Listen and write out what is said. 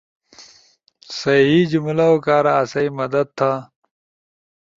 صحیح جملؤ کارا آسئی مدد تھا!